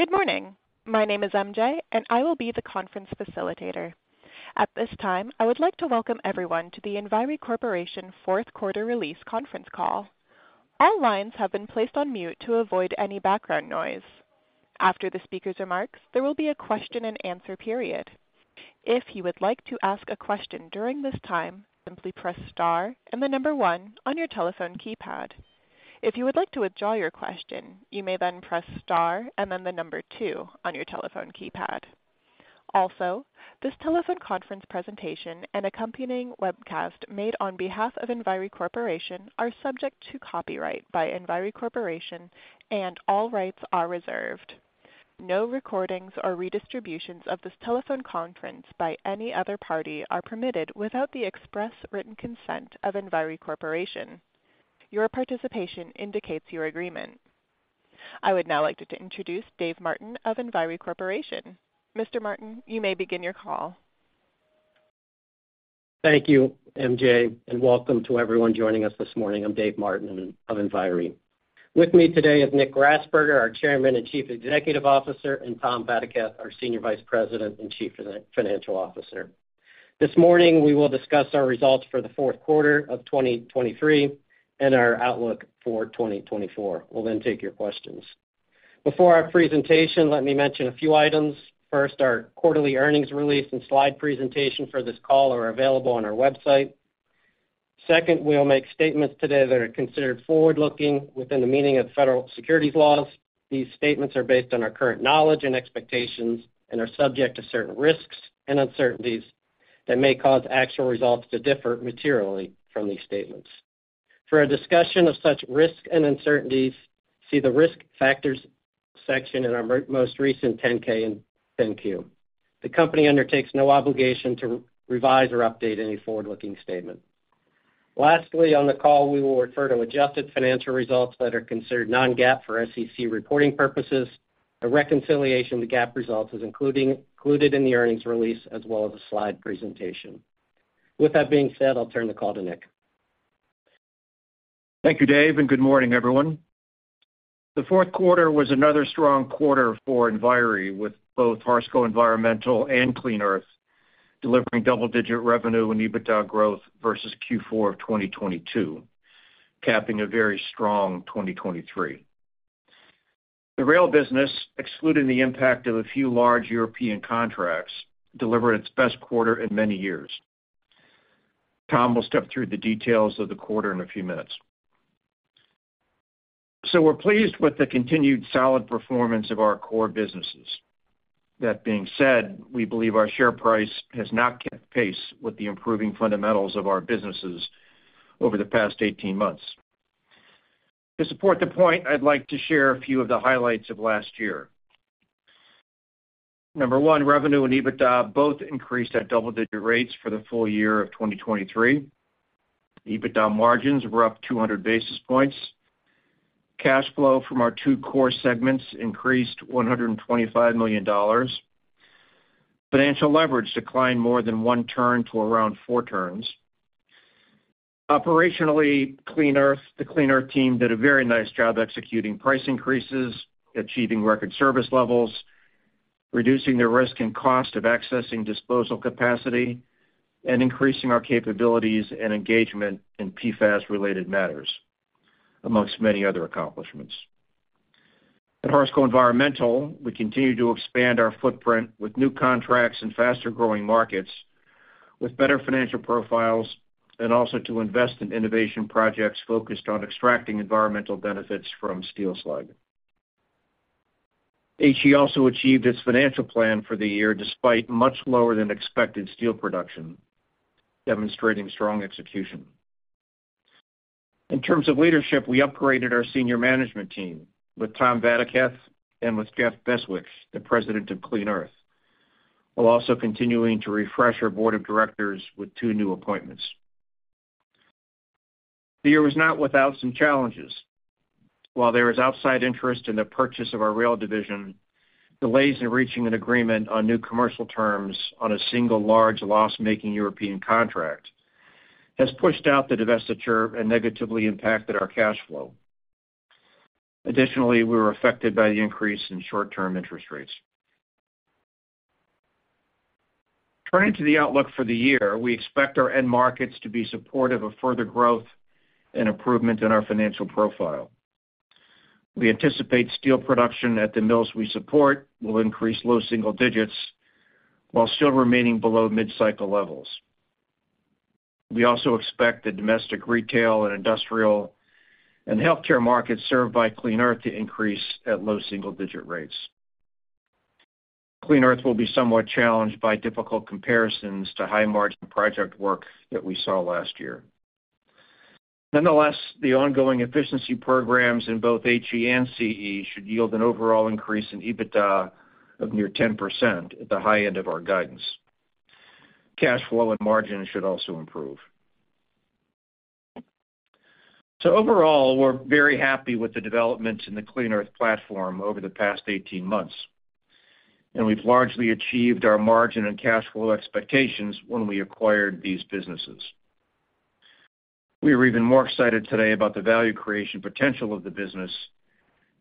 Good morning. My name is MJ, and I will be the conference facilitator. At this time, I would like to welcome everyone to the Enviri Corporation fourth quarter release conference call. All lines have been placed on mute to avoid any background noise. After the speaker's remarks, there will be a question-and-answer period. If you would like to ask a question during this time, simply press star and one on your telephone keypad. If you would like to withdraw your question, you may then press star and then two on your telephone keypad. Also, this telephone conference presentation and accompanying webcast made on behalf of Enviri Corporation are subject to copyright by Enviri Corporation, and all rights are reserved. No recordings or redistributions of this telephone conference by any other party are permitted without the express written consent of Enviri Corporation. Your participation indicates your agreement. I would now like to introduce Dave Martin of Enviri Corporation. Mr. Martin, you may begin your call. Thank you, MJ, and welcome to everyone joining us this morning. I'm Dave Martin of Enviri. With me today is Nick Grasberger, our Chairman and Chief Executive Officer, and Tom Vadaketh, our Senior Vice President and Chief Financial Officer. This morning, we will discuss our results for the fourth quarter of 2023 and our outlook for 2024. We'll then take your questions. Before our presentation, let me mention a few items. First, our quarterly earnings release and slide presentation for this call are available on our website. Second, we'll make statements today that are considered forward-looking within the meaning of federal securities laws. These statements are based on our current knowledge and expectations and are subject to certain risks and uncertainties that may cause actual results to differ materially from these statements. For a discussion of such risk and uncertainties, see the risk factors section in our most recent 10-K and 10-Q. The company undertakes no obligation to revise or update any forward-looking statement. Lastly, on the call, we will refer to adjusted financial results that are considered Non-GAAP for SEC reporting purposes. A reconciliation of the GAAP results is included in the earnings release as well as a slide presentation. With that being said, I'll turn the call to Nick. Thank you, Dave, and good morning, everyone. The fourth quarter was another strong quarter for Enviri with both Harsco Environmental and Clean Earth delivering double-digit revenue and EBITDA growth versus Q4 of 2022, capping a very strong 2023. The rail business, excluding the impact of a few large European contracts, delivered its best quarter in many years. Tom will step through the details of the quarter in a few minutes. So we're pleased with the continued solid performance of our core businesses. That being said, we believe our share price has not kept pace with the improving fundamentals of our businesses over the past 18 months. To support the point, I'd like to share a few of the highlights of last year. Number one, revenue and EBITDA both increased at double-digit rates for the full year of 2023. EBITDA margins were up 200 basis points. Cash flow from our two core segments increased $125 million. Financial leverage declined more than one turn to around four turns. Operationally, the Clean Earth team did a very nice job executing price increases, achieving record service levels, reducing the risk and cost of accessing disposal capacity, and increasing our capabilities and engagement in PFAS-related matters, among many other accomplishments. At Harsco Environmental, we continue to expand our footprint with new contracts and faster-growing markets, with better financial profiles, and also to invest in innovation projects focused on extracting environmental benefits from steel slag. HE also achieved its financial plan for the year despite much lower-than-expected steel production, demonstrating strong execution. In terms of leadership, we upgraded our senior management team with Tom Vadaketh and with Jeff Beswick, the President of Clean Earth, while also continuing to refresh our board of directors with two new appointments. The year was not without some challenges. While there is outside interest in the purchase of our rail division, delays in reaching an agreement on new commercial terms on a single large loss-making European contract has pushed out the divestiture and negatively impacted our cash flow. Additionally, we were affected by the increase in short-term interest rates. Turning to the outlook for the year, we expect our end markets to be supportive of further growth and improvement in our financial profile. We anticipate steel production at the mills we support will increase low single digits while still remaining below mid-cycle levels. We also expect the domestic retail and industrial and healthcare markets served by Clean Earth to increase at low single-digit rates. Clean Earth will be somewhat challenged by difficult comparisons to high-margin project work that we saw last year. Nonetheless, the ongoing efficiency programs in both HE and CE should yield an overall increase in EBITDA of near 10% at the high end of our guidance. Cash flow and margin should also improve. So overall, we're very happy with the developments in the Clean Earth platform over the past 18 months, and we've largely achieved our margin and cash flow expectations when we acquired these businesses. We are even more excited today about the value creation potential of the business,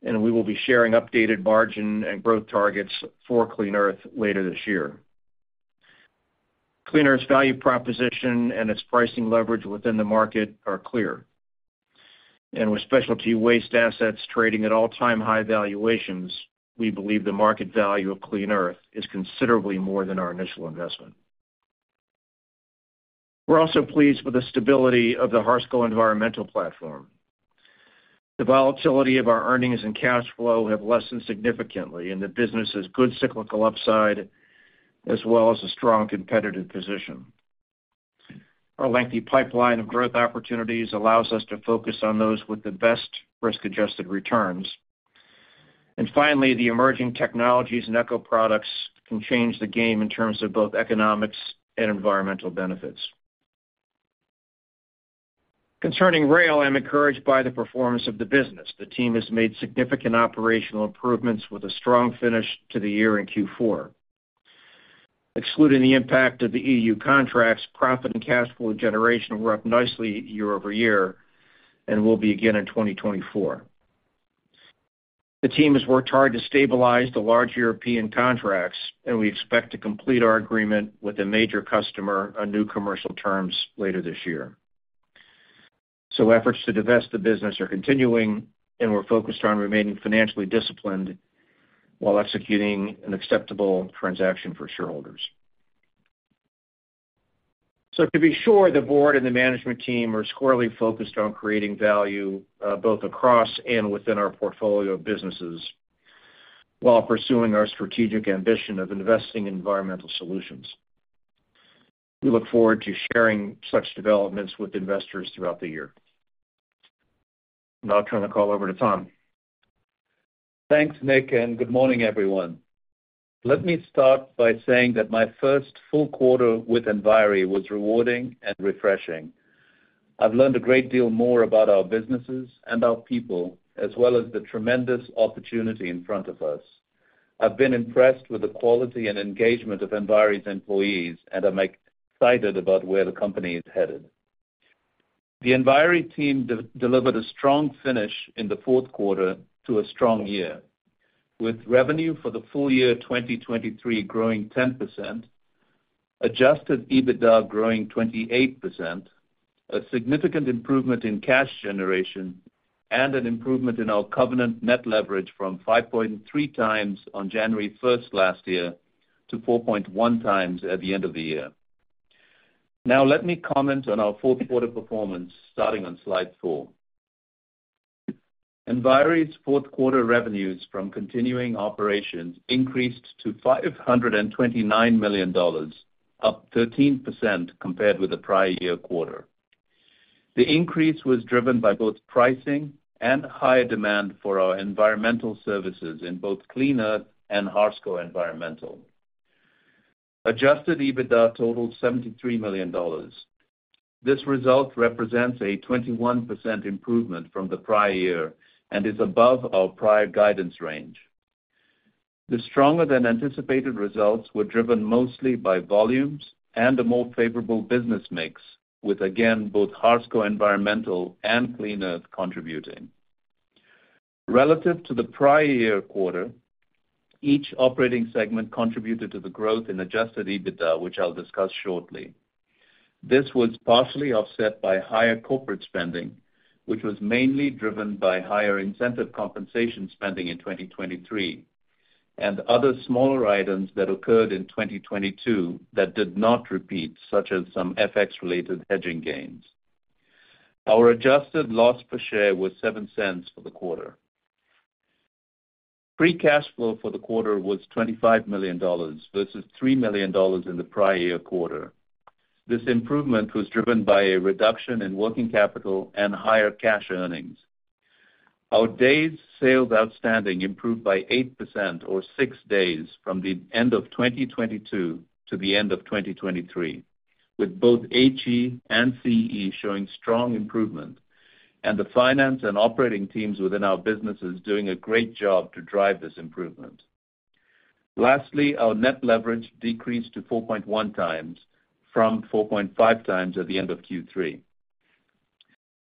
and we will be sharing updated margin and growth targets for Clean Earth later this year. Clean Earth's value proposition and its pricing leverage within the market are clear. And with specialty waste assets trading at all-time high valuations, we believe the market value of Clean Earth is considerably more than our initial investment. We're also pleased with the stability of the Harsco Environmental platform. The volatility of our earnings and cash flow have lessened significantly, and the business has good cyclical upside as well as a strong competitive position. Our lengthy pipeline of growth opportunities allows us to focus on those with the best risk-adjusted returns. Finally, the emerging technologies and eco-products can change the game in terms of both economics and environmental benefits. Concerning rail, I'm encouraged by the performance of the business. The team has made significant operational improvements with a strong finish to the year in Q4. Excluding the impact of the EU contracts, profit and cash flow generation were up nicely year-over-year and will be again in 2024. The team has worked hard to stabilize the large European contracts, and we expect to complete our agreement with a major customer on new commercial terms later this year. So efforts to divest the business are continuing, and we're focused on remaining financially disciplined while executing an acceptable transaction for shareholders. So to be sure, the board and the management team are squarely focused on creating value both across and within our portfolio of businesses while pursuing our strategic ambition of investing in environmental solutions. We look forward to sharing such developments with investors throughout the year. Now I'll turn the call over to Tom. Thanks, Nick, and good morning, everyone. Let me start by saying that my first full quarter with Enviri was rewarding and refreshing. I've learned a great deal more about our businesses and our people as well as the tremendous opportunity in front of us. I've been impressed with the quality and engagement of Enviri's employees, and I'm excited about where the company is headed. The Enviri team delivered a strong finish in the fourth quarter to a strong year, with revenue for the full year 2023 growing 10%, adjusted EBITDA growing 28%, a significant improvement in cash generation, and an improvement in our covenant net leverage from 5.3 times on January 1st last year to 4.1x at the end of the year. Now let me comment on our fourth quarter performance, starting on slide four. Enviri's fourth quarter revenues from continuing operations increased to $529 million, up 13% compared with the prior year quarter. The increase was driven by both pricing and higher demand for our environmental services in both Clean Earth and Harsco Environmental. Adjusted EBITDA totaled $73 million. This result represents a 21% improvement from the prior year and is above our prior guidance range. The stronger-than-anticipated results were driven mostly by volumes and a more favorable business mix, with again both Harsco Environmental and Clean Earth contributing. Relative to the prior year quarter, each operating segment contributed to the growth in adjusted EBITDA, which I'll discuss shortly. This was partially offset by higher corporate spending, which was mainly driven by higher incentive compensation spending in 2023 and other smaller items that occurred in 2022 that did not repeat, such as some FX-related hedging gains. Our adjusted loss per share was $0.07 for the quarter. Free cash flow for the quarter was $25 million versus $3 million in the prior year quarter. This improvement was driven by a reduction in working capital and higher cash earnings. Our days sales outstanding improved by 8% or 6 days from the end of 2022 to the end of 2023, with both HE and CE showing strong improvement and the finance and operating teams within our businesses doing a great job to drive this improvement. Lastly, our net leverage decreased to 4.1x from 4.5x at the end of Q3.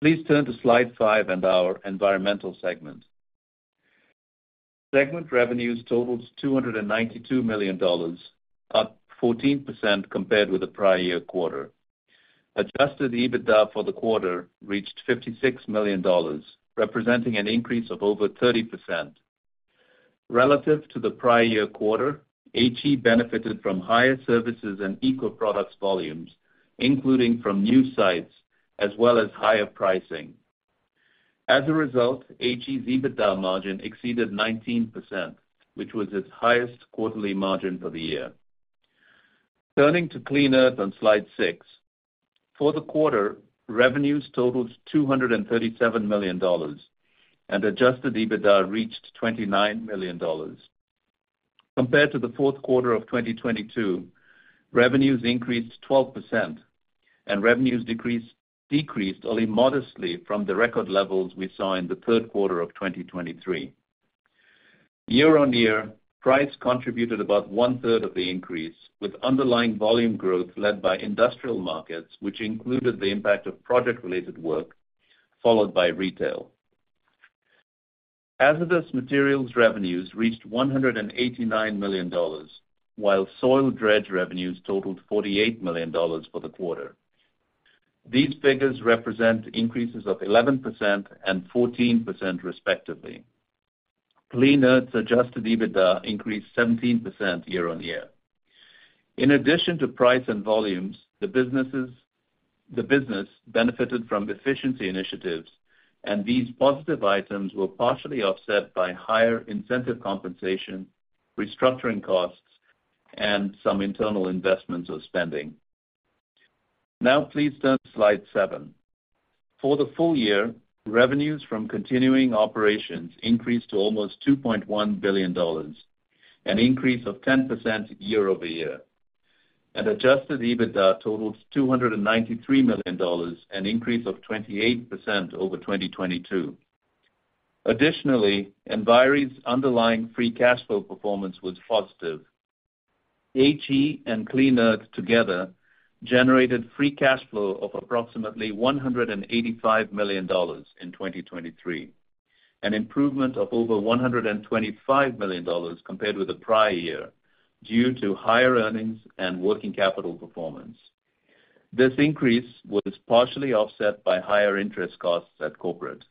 Please turn to slide five and our environmental segment. Segment revenues totaled $292 million, up 14% compared with the prior year quarter. Adjusted EBITDA for the quarter reached $56 million, representing an increase of over 30%. Relative to the prior year quarter, HE benefited from higher services and eco-products volumes, including from new sites as well as higher pricing. As a result, HE's EBITDA margin exceeded 19%, which was its highest quarterly margin for the year. Turning to Clean Earth on slide six. For the quarter, revenues totaled $237 million, and adjusted EBITDA reached $29 million. Compared to the fourth quarter of 2022, revenues increased 12%, and revenues decreased only modestly from the record levels we saw in the third quarter of 2023. Year-over-year, price contributed about one-third of the increase, with underlying volume growth led by industrial markets, which included the impact of project-related work followed by retail. Hazardous materials revenues reached $189 million, while soil and dredge revenues totaled $48 million for the quarter. These figures represent increases of 11% and 14% respectively. Clean Earth's adjusted EBITDA increased 17% year-over-year. In addition to price and volumes, the business benefited from efficiency initiatives, and these positive items were partially offset by higher incentive compensation, restructuring costs, and some internal investments or spending. Now please turn to slide seven. For the full year, revenues from continuing operations increased to almost $2.1 billion, an increase of 10% year over year, and Adjusted EBITDA totaled $293 million, an increase of 28% over 2022. Additionally, Enviri's underlying free cash flow performance was positive. HE and Clean Earth together generated free cash flow of approximately $185 million in 2023, an improvement of over $125 million compared with the prior year due to higher earnings and working capital performance. This increase was partially offset by higher interest costs at corporate.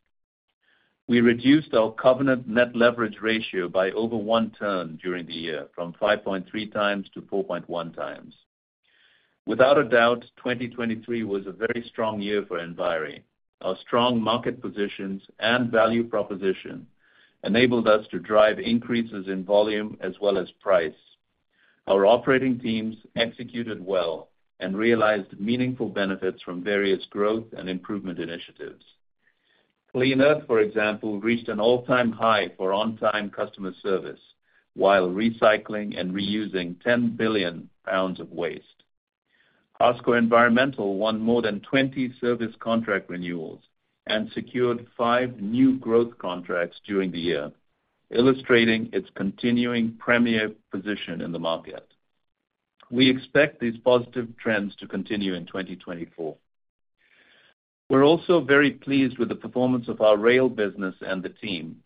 We reduced our covenant net leverage ratio by over one turn during the year, from 5.3x to 4.1. Without a doubt, 2023 was a very strong year for Enviri. Our strong market positions and value proposition enabled us to drive increases in volume as well as price. Our operating teams executed well and realized meaningful benefits from various growth and improvement initiatives. Clean Earth, for example, reached an all-time high for on-time customer service while recycling and reusing 10 billion lbs of waste. Harsco Environmental won more than 20 service contract renewals and secured five new growth contracts during the year, illustrating its continuing premier position in the market. We expect these positive trends to continue in 2024. We're also very pleased with the performance of our rail business and the team.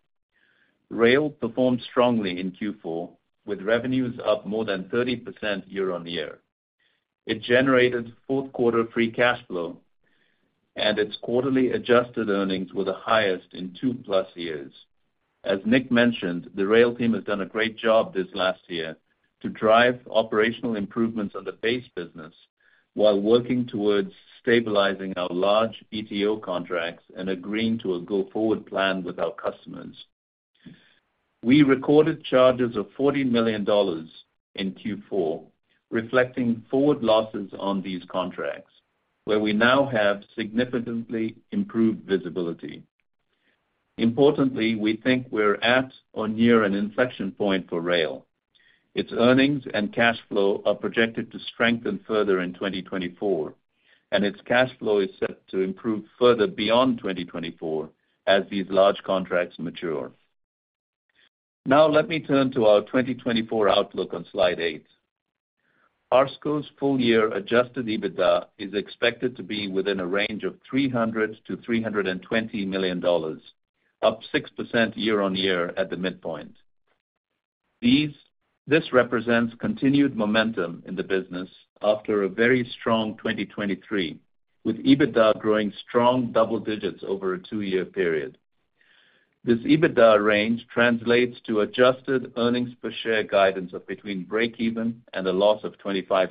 Rail performed strongly in Q4, with revenues up more than 30% year-on-year. It generated fourth quarter free cash flow, and its quarterly adjusted earnings were the highest in two-plus years. As Nick mentioned, the rail team has done a great job this last year to drive operational improvements on the base business while working towards stabilizing our large ETO contracts and agreeing to a go-forward plan with our customers. We recorded charges of $40 million in Q4, reflecting forward losses on these contracts, where we now have significantly improved visibility. Importantly, we think we're at or near an inflection point for rail. Its earnings and cash flow are projected to strengthen further in 2024, and its cash flow is set to improve further beyond 2024 as these large contracts mature. Now let me turn to our 2024 outlook on slide eight. Enviri's full year Adjusted EBITDA is expected to be within a range of $300 million-$320 million, up 6% year-over-year at the midpoint. This represents continued momentum in the business after a very strong 2023, with EBITDA growing strong double digits over a two-year period. This EBITDA range translates to adjusted earnings per share guidance of between break-even and a loss of $0.25.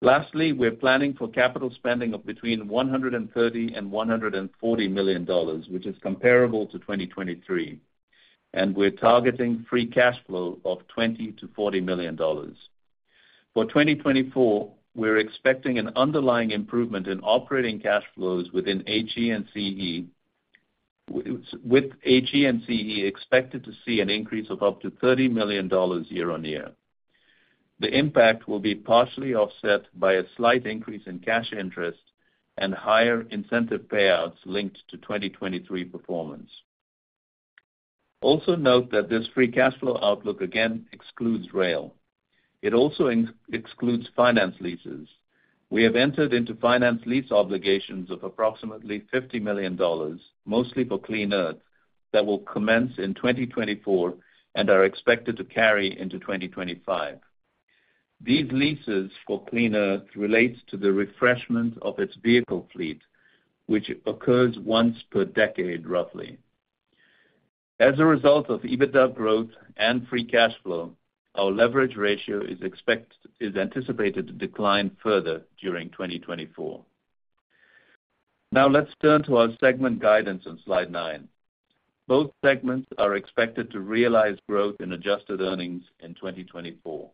Lastly, we're planning for capital spending of between $130 million-$140 million, which is comparable to 2023, and we're targeting free cash flow of $20 million-$40 million. For 2024, we're expecting an underlying improvement in operating cash flows within HE and CE, with HE and CE expected to see an increase of up to $30 million year-over-year. The impact will be partially offset by a slight increase in cash interest and higher incentive payouts linked to 2023 performance. Also note that this free cash flow outlook again excludes rail. It also excludes finance leases. We have entered into finance lease obligations of approximately $50 million, mostly for Clean Earth, that will commence in 2024 and are expected to carry into 2025. These leases for Clean Earth relate to the refreshment of its vehicle fleet, which occurs once per decade, roughly. As a result of EBITDA growth and free cash flow, our leverage ratio is anticipated to decline further during 2024. Now let's turn to our segment guidance on slide nine. Both segments are expected to realize growth in adjusted earnings in 2024.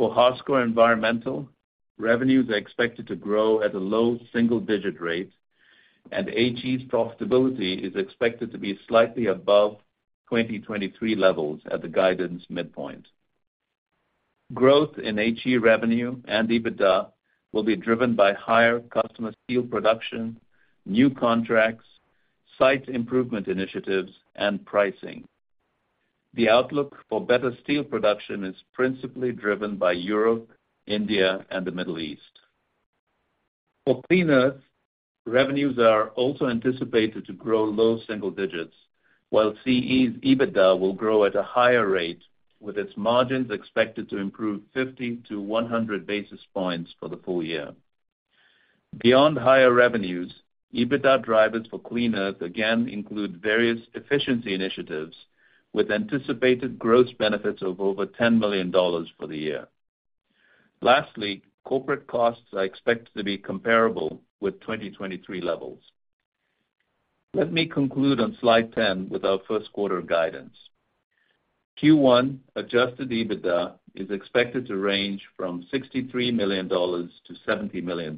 For Harsco Environmental, revenues are expected to grow at a low single-digit rate, and HE's profitability is expected to be slightly above 2023 levels at the guidance midpoint. Growth in HE revenue and EBITDA will be driven by higher customer steel production, new contracts, site improvement initiatives, and pricing. The outlook for better steel production is principally driven by Europe, India, and the Middle East. For Clean Earth, revenues are also anticipated to grow low single digits, while CE's EBITDA will grow at a higher rate, with its margins expected to improve 50-100 basis points for the full year. Beyond higher revenues, EBITDA drivers for Clean Earth again include various efficiency initiatives, with anticipated gross benefits of over $10 million for the year. Lastly, corporate costs are expected to be comparable with 2023 levels. Let me conclude on slide 10 with our first quarter guidance. Q1 adjusted EBITDA is expected to range from $63 million-$70 million.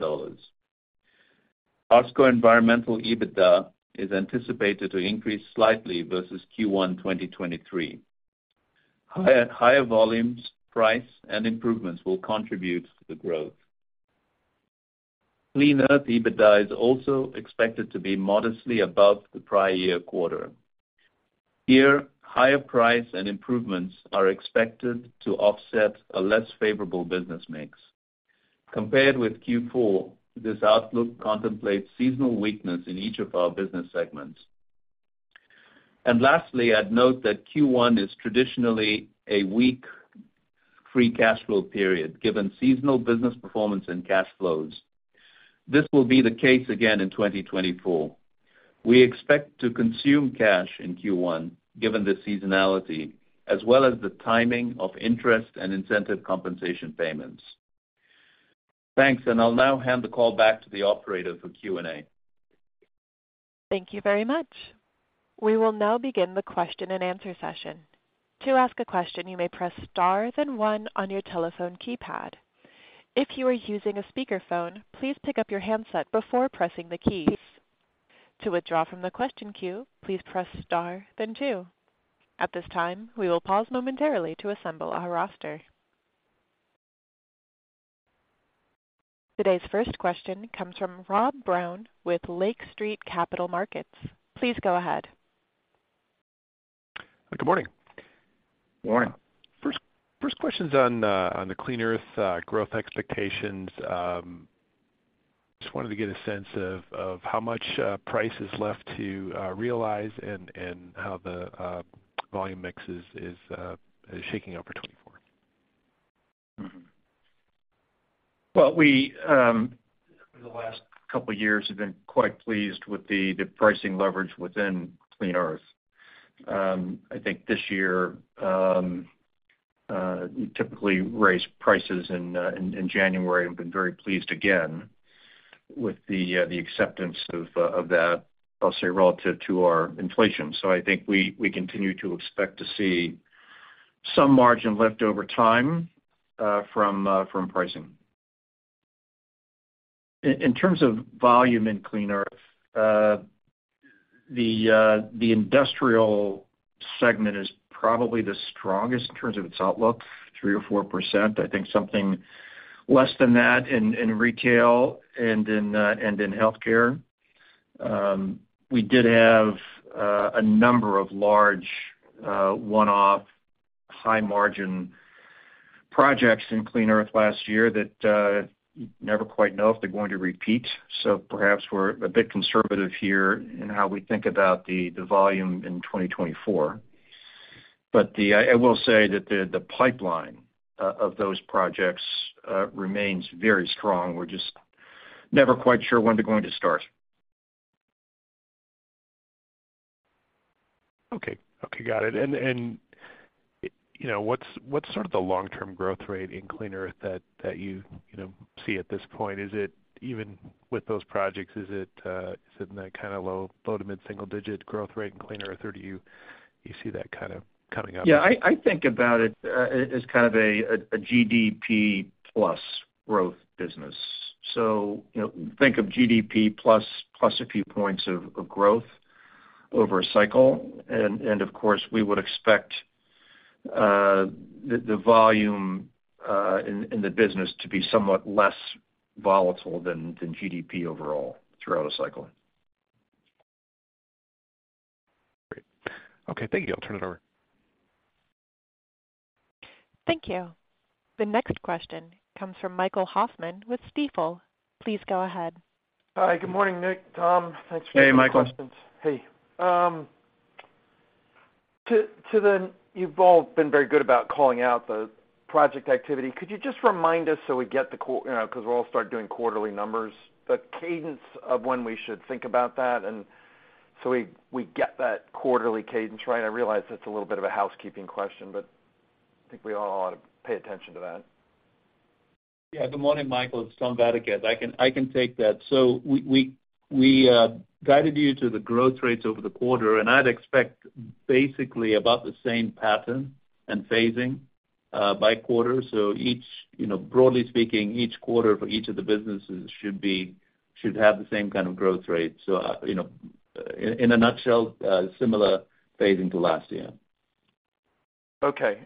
Harsco Environmental EBITDA is anticipated to increase slightly versus Q1 2023. Higher volumes, price, and improvements will contribute to the growth. Clean Earth EBITDA is also expected to be modestly above the prior year quarter. Here, higher price and improvements are expected to offset a less favorable business mix. Compared with Q4, this outlook contemplates seasonal weakness in each of our business segments. And lastly, I'd note that Q1 is traditionally a weak free cash flow period, given seasonal business performance and cash flows. This will be the case again in 2024. We expect to consume cash in Q1, given the seasonality, as well as the timing of interest and incentive compensation payments. Thanks, and I'll now hand the call back to the operator for Q&A. Thank you very much. We will now begin the question-and-answer session. To ask a question, you may press star then one on your telephone keypad. If you are using a speakerphone, please pick up your handset before pressing the keys. To withdraw from the question queue, please press star then two. At this time, we will pause momentarily to assemble our roster. Today's first question comes from Rob Brown with Lake Street Capital Markets. Please go ahead. Good morning. Good morning. First question's on the Clean Earth growth expectations. Just wanted to get a sense of how much price is left to realize and how the volume mix is shaking up for 2024. Well, the last couple of years have been quite pleased with the pricing leverage within Clean Earth. I think this year you typically raise prices in January and been very pleased again with the acceptance of that, I'll say, relative to our inflation. So I think we continue to expect to see some margin left over time from pricing. In terms of volume in Clean Earth, the industrial segment is probably the strongest in terms of its outlook, 3%-4%. I think something less than that in retail and in healthcare. We did have a number of large one-off high-margin projects in Clean Earth last year that you never quite know if they're going to repeat. So perhaps we're a bit conservative here in how we think about the volume in 2024. But I will say that the pipeline of those projects remains very strong. We're just never quite sure when they're going to start. Okay. Okay. Got it. And what's sort of the long-term growth rate in Clean Earth that you see at this point? Even with those projects, is it in that kind of low to mid-single-digit growth rate in Clean Earth, or do you see that kind of coming up? Yeah. I think about it as kind of a GDP-plus growth business. Think of GDP plus a few points of growth over a cycle. Of course, we would expect the volume in the business to be somewhat less volatile than GDP overall throughout a cycle. Great. Okay. Thank you. I'll turn it over. Thank you. The next question comes from Michael Hoffman with Stifel. Please go ahead. Hi. Good morning, Nick, Tom. Thanks for your questions. Hey, Michael. Hey. You've all been very good about calling out the project activity. Could you just remind us so we get the because we'll all start doing quarterly numbers, the cadence of when we should think about that so we get that quarterly cadence right? I realize that's a little bit of a housekeeping question, but I think we all ought to pay attention to that. Yeah. Good morning, Michael. It's Tom Vadaketh. I can take that. So we guided you to the growth rates over the quarter, and I'd expect basically about the same pattern and phasing by quarter. So broadly speaking, each quarter for each of the businesses should have the same kind of growth rate. So in a nutshell, similar phasing to last year. Okay.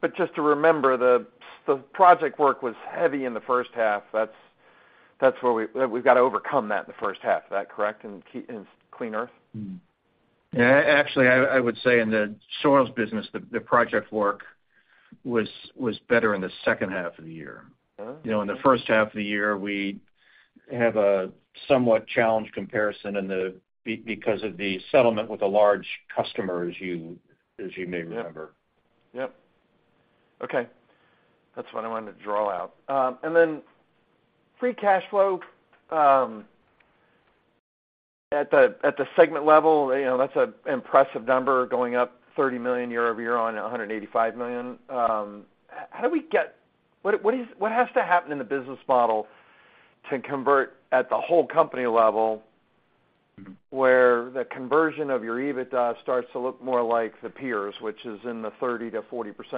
But just to remember, the project work was heavy in the first half. We've got to overcome that in the first half. Is that correct in Clean Earth? Yeah. Actually, I would say in the soils business, the project work was better in the second half of the year. In the first half of the year, we have a somewhat challenged comparison because of the settlement with the large customers, as you may remember. Yep. Yep. Okay. That's what I wanted to draw out. Then free cash flow at the segment level, that's an impressive number, going up $30 million year-over-year on $185 million. How do we get what has to happen in the business model to convert at the whole company level where the conversion of your EBITDA starts to look more like the peers, which is in the 30%-40%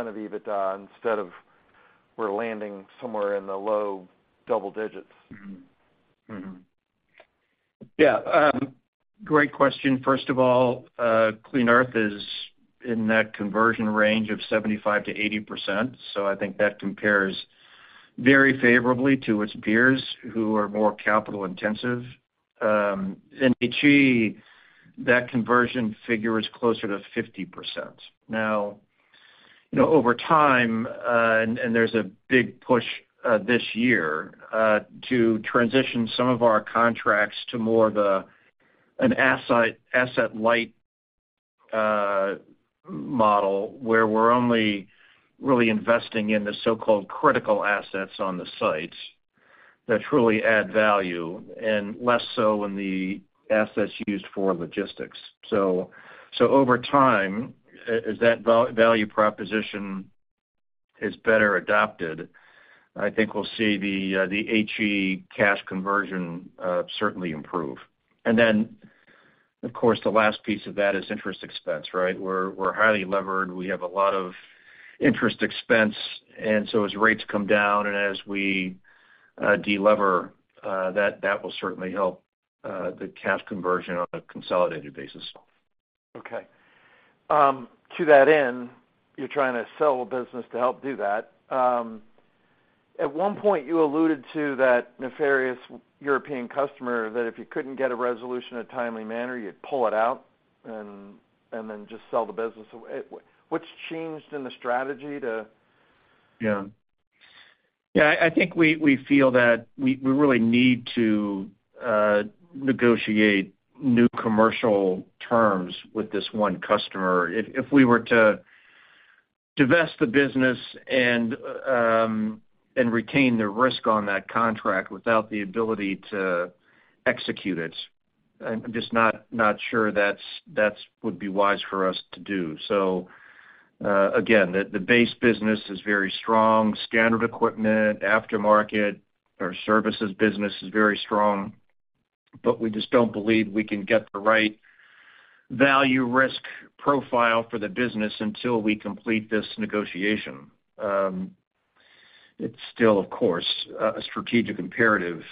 of EBITDA instead of we're landing somewhere in the low double digits? Yeah. Great question. First of all, Clean Earth is in that conversion range of 75%-80%. So I think that compares very favorably to its peers who are more capital-intensive. In HE, that conversion figure is closer to 50%. Now, over time, and there's a big push this year to transition some of our contracts to more of an asset-light model where we're only really investing in the so-called critical assets on the sites that truly add value and less so in the assets used for logistics. So over time, as that value proposition is better adopted, I think we'll see the HE cash conversion certainly improve. And then, of course, the last piece of that is interest expense, right? We're highly levered. We have a lot of interest expense. And so as rates come down and as we delever, that will certainly help the cash conversion on a consolidated basis. Okay. To that end, you're trying to sell the business to help do that. At one point, you alluded to that nefarious European customer that if you couldn't get a resolution in a timely manner, you'd pull it out and then just sell the business away. What's changed in the strategy to? Yeah. Yeah. I think we feel that we really need to negotiate new commercial terms with this one customer. If we were to divest the business and retain the risk on that contract without the ability to execute it, I'm just not sure that would be wise for us to do. So again, the base business is very strong. Standard equipment, aftermarket, or services business is very strong. But we just don't believe we can get the right value-risk profile for the business until we complete this negotiation. It's still, of course, a strategic imperative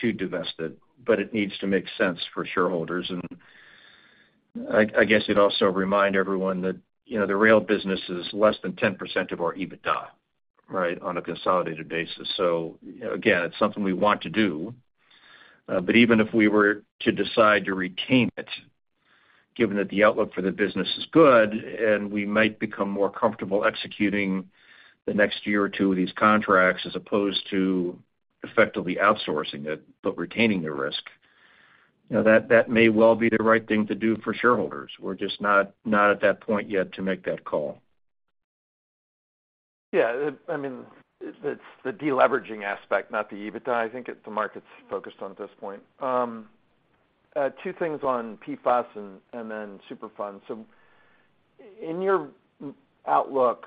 to divest it, but it needs to make sense for shareholders. And I guess you'd also remind everyone that the rail business is less than 10% of our EBITDA, right, on a consolidated basis. So again, it's something we want to do. But even if we were to decide to retain it, given that the outlook for the business is good and we might become more comfortable executing the next year or two of these contracts as opposed to effectively outsourcing it but retaining the risk, that may well be the right thing to do for shareholders. We're just not at that point yet to make that call. Yeah. I mean, it's the deleveraging aspect, not the EBITDA. I think the market's focused on this point. Two things on PFAS and then Superfund. So in your outlook,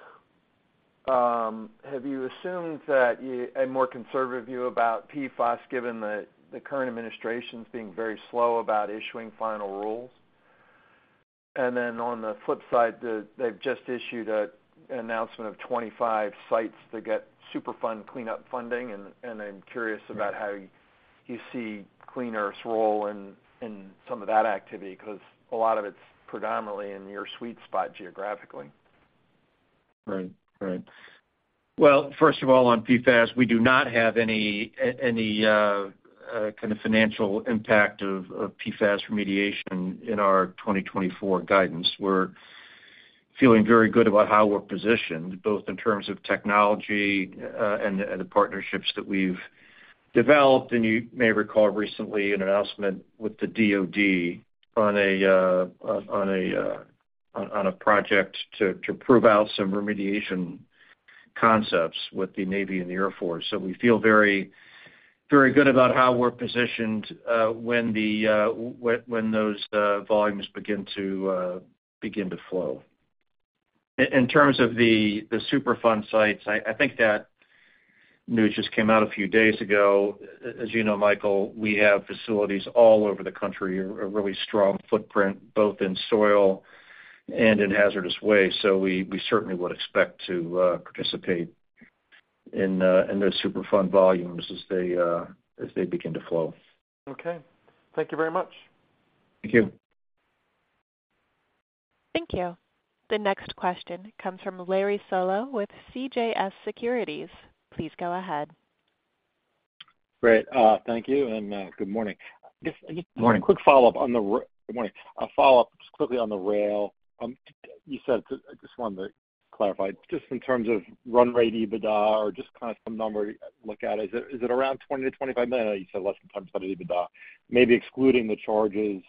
have you assumed that a more conservative view about PFAS, given the current administration's being very slow about issuing final rules? And then on the flip side, they've just issued an announcement of 25 sites to get Superfund cleanup funding. And I'm curious about how you see Clean Earth's role in some of that activity because a lot of it's predominantly in your sweet spot geographically. Right. Right. Well, first of all, on PFAS, we do not have any kind of financial impact of PFAS remediation in our 2024 guidance. We're feeling very good about how we're positioned, both in terms of technology and the partnerships that we've developed. You may recall recently an announcement with the DOD on a project to prove out some remediation concepts with the Navy and the Air Force. We feel very good about how we're positioned when those volumes begin to flow. In terms of the Superfund sites, I think that news just came out a few days ago. As you know, Michael, we have facilities all over the country, a really strong footprint both in soil and in hazardous waste. We certainly would expect to participate in those Superfund volumes as they begin to flow. Okay. Thank you very much. Thank you. Thank you. The next question comes from Larry Solow with CJS Securities. Please go ahead. Great. Thank you. Good morning. Good morning. Just a quick follow-up on the good morning. A follow-up just quickly on the rail. You said I just wanted to clarify. Just in terms of run rate EBITDA or just kind of some number to look at, is it around $20 million-$25 million? I know you said less than $25 million EBITDA. Maybe excluding the charges,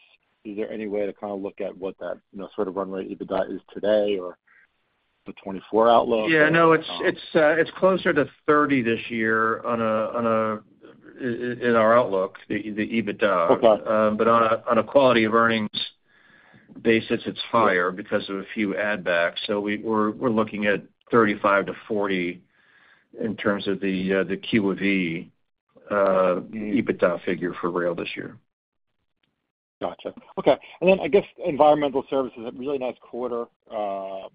is there any way to kind of look at what that sort of run rate EBITDA is today or the 2024 outlook? Yeah. No, it's closer to $30 million this year in our outlook, the EBITDA. But on a quality of earnings basis, it's higher because of a few add-backs. So we're looking at $35 million-$40 million in terms of the Q of EBITDA figure for Rail this year. Gotcha. Okay. And then I guess environmental services, a really nice quarter. What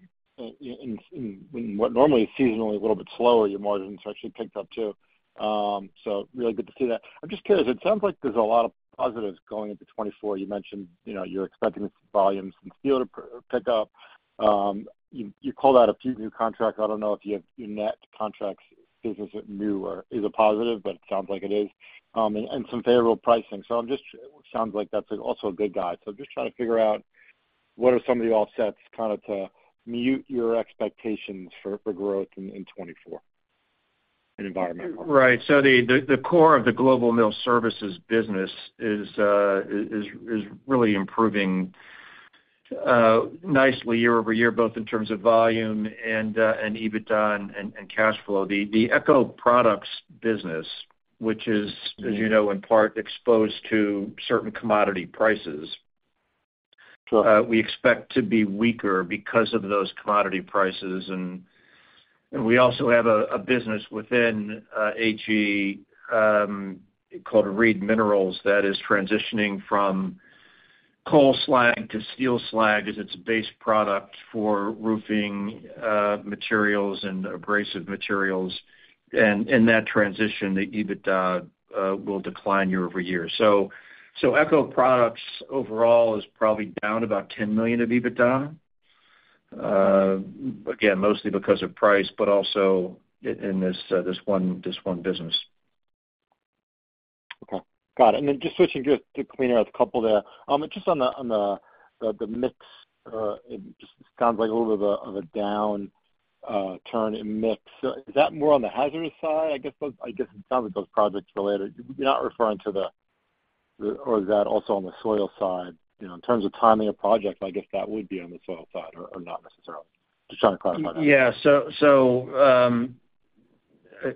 normally is seasonally a little bit slower, your margins actually picked up too. So really good to see that. I'm just curious. It sounds like there's a lot of positives going into 2024. You mentioned you're expecting volumes and steel to pick up. You called out a few new contracts. I don't know if your net contracts business is new or is a positive, but it sounds like it is, and some favorable pricing. So it sounds like that's also a good guide. So I'm just trying to figure out what are some of the offsets kind of to mute your expectations for growth in 2024 in environmental? Right. So the core of the global mill services business is really improving nicely year-over-year, both in terms of volume and EBITDA and cash flow. The eco products business, which is, as you know, in part exposed to certain commodity prices, we expect to be weaker because of those commodity prices. And we also have a business within HE called Reed Minerals that is transitioning from coal slag to steel slag as its base product for roofing materials and abrasive materials. And in that transition, the EBITDA will decline year-over-year. So eco products overall is probably down about $10 million of EBITDA, again, mostly because of price, but also in this one business. Okay. Got it. And then just switching just to Clean Earth, a couple there. Just on the mix, it sounds like a little bit of a downturn in mix. Is that more on the hazardous side? I guess it sounds like those projects related. You're not referring to the or is that also on the soil side? In terms of timing a project, I guess that would be on the soil side or not necessarily. Just trying to clarify that. Yeah. So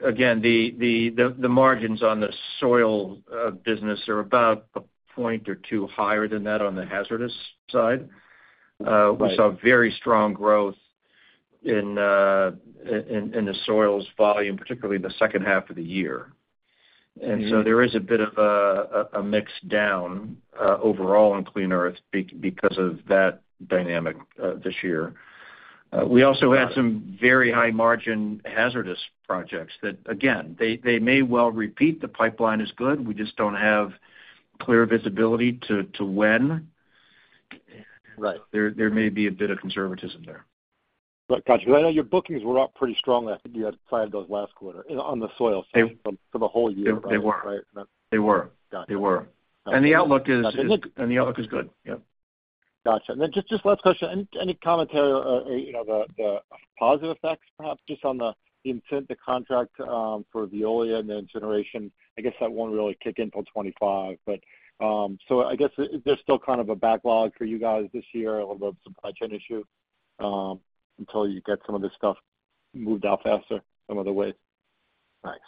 again, the margins on the soil business are about a point or two higher than that on the hazardous side. We saw very strong growth in the soils volume, particularly in the second half of the year. And so there is a bit of a mix down overall in Clean Earth because of that dynamic this year. We also had some very high-margin hazardous projects that, again, they may well repeat. The pipeline is good. We just don't have clear visibility to when. There may be a bit of conservatism there. Gotcha. Because I know your bookings were up pretty strongly. You had five of those last quarter on the soil side for the whole year, right? They were. They were. They were. And the outlook is good. Yeah. Gotcha. And then just last question. Any commentary on the positive effects, perhaps, just on the contract for Veolia and the incineration? I guess that won't really kick in till 2025. So I guess there's still kind of a backlog for you guys this year, a little bit of a supply chain issue until you get some of this stuff moved out faster, some of the ways. Nice.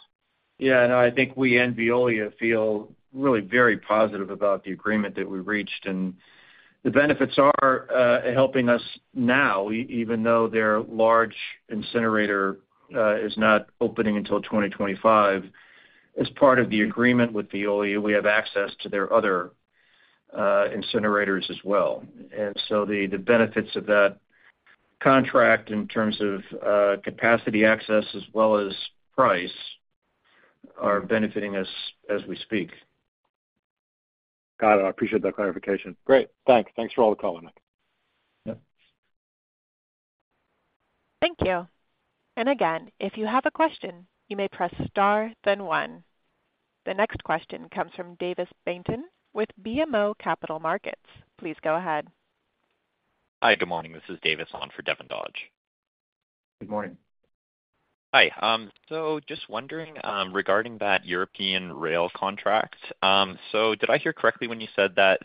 Yeah. No, I think we and Veolia feel really very positive about the agreement that we reached. The benefits are helping us now, even though their large incinerator is not opening until 2025. As part of the agreement with Veolia, we have access to their other incinerators as well. So the benefits of that contract in terms of capacity access as well as price are benefiting us as we speak. Got it. I appreciate that clarification. Great. Thanks. Thanks for all the calling, Nick. Yep. Thank you. And again, if you have a question, you may press star, then one. The next question comes from Davis Baynton with BMO Capital Markets. Please go ahead. Hi. Good morning. This is Davis on for Devin Dodge. Good morning. Hi. Just wondering regarding that European rail contract. Did I hear correctly when you said that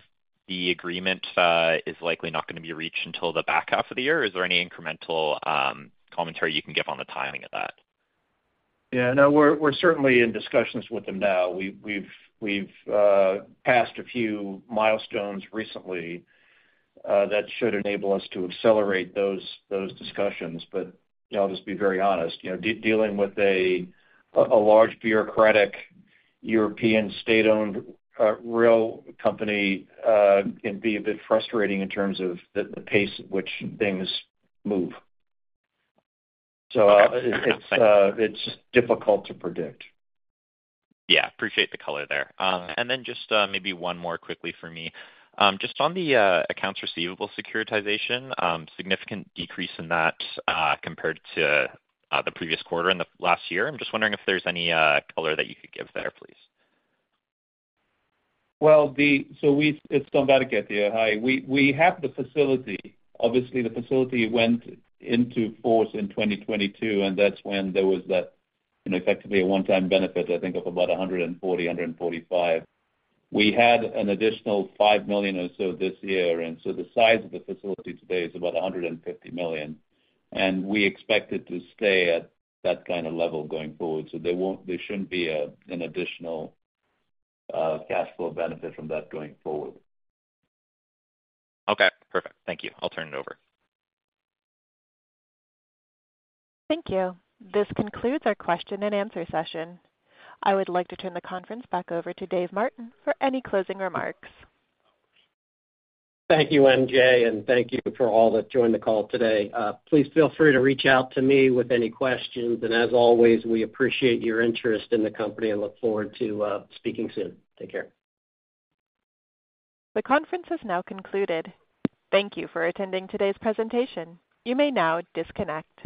the agreement is likely not going to be reached until the back half of the year? Is there any incremental commentary you can give on the timing of that? Yeah. No, we're certainly in discussions with them now. We've passed a few milestones recently that should enable us to accelerate those discussions. But I'll just be very honest. Dealing with a large bureaucratic, European state-owned rail company can be a bit frustrating in terms of the pace at which things move. So it's just difficult to predict. Yeah. Appreciate the color there. And then just maybe one more quickly for me. Just on the accounts receivable securitization, significant decrease in that compared to the previous quarter in the last year. I'm just wondering if there's any color that you could give there, please. Well, so it's Tom Vadaketh here. Hi. We have the facility. Obviously, the facility went into force in 2022, and that's when there was effectively a one-time benefit, I think, of about $140 million-$145 million. We had an additional $5 million or so this year. And so the size of the facility today is about $150 million. And we expect it to stay at that kind of level going forward. So there shouldn't be an additional cash flow benefit from that going forward. Okay. Perfect. Thank you. I'll turn it over. Thank you. This concludes our question-and-answer session. I would like to turn the conference back over to Dave Martin for any closing remarks. Thank you, MJ. Thank you for all that joined the call today. Please feel free to reach out to me with any questions. As always, we appreciate your interest in the company and look forward to speaking soon. Take care. The conference has now concluded. Thank you for attending today's presentation. You may now disconnect.